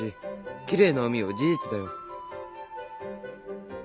きれいな海は事実だよ。